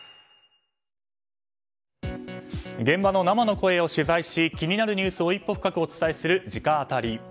現場の生の声を取材し気になるニュースを一歩深くお伝えする、直アタリ。